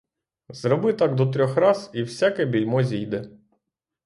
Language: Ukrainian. Зроби так до трьох раз — і всяке більмо зійде.